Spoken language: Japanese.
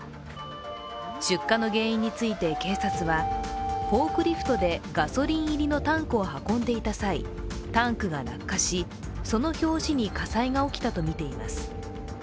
出火の原因について警察はフォークリフトでガソリン入りのタンクを運んでいた際タンクが落下し、その拍子に火災が起きたとみています。